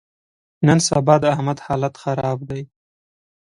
نن سبا د احمد حالت خراب دی.